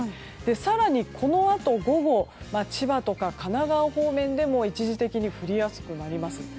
更にこのあと午後千葉とか神奈川方面でも一時的に降りやすくなります。